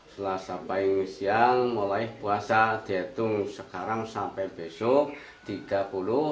selasa pahing siang mulai puasa diatur sekarang sampai besok tiga puluh hari